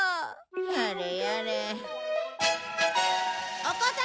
やれやれ。